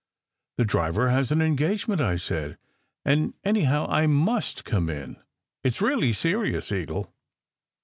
"The driver has an engagement," I said. "And, any how, I must come in. It s really serious, Eagle."